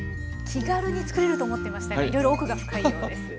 気軽に作れると思ってましたがいろいろ奥が深いようです。